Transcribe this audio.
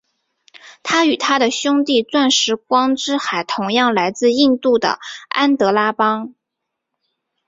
它与它的兄弟钻石光之海同样来自印度的安德拉邦。